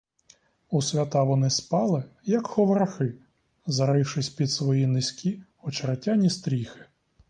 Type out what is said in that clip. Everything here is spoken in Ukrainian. У свята вони спали, як ховрахи, зарившись під свої низькі очеретяні стріхи.